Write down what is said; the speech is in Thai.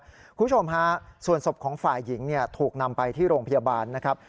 คุณผู้ชมฮะส่วนศพของฝ่ายหญิงเนี่ยถูกนำไปที่โรงพยาบาลนะครับ